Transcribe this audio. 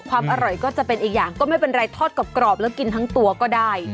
ความอร่อยก็จะเป็นอีกอย่างก็ไม่เป็นไรทอดกรอบแล้วกินทั้งตัวก็ได้